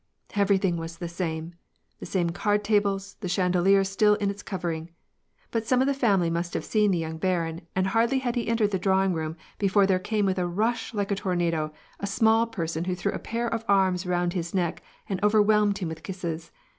Evetything was the same ; the same card tables, the chandelier still in its covering. But some of the family must have seen the young barin, and hardly had he entered the drawing room, before there came with a rush like a tornado, a small person who threw a pair of arms around his neck and overwhelmed him with kisses.